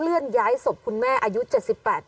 เบื้องต้น๑๕๐๐๐และยังต้องมีค่าสับประโลยีอีกนะครับ